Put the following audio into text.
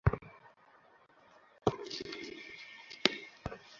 বাংলাদেশ মনে করে, তাদের দিক থেকে চুক্তি অনেক আগেই বাস্তবায়নের পথে।